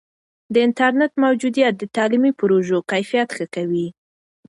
د انټرنیټ موجودیت د تعلیمي پروژو کیفیت ښه کوي.